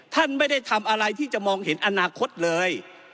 ท่านไม่ได้ทำอะไรที่จะมองเห็นอนาคตเลย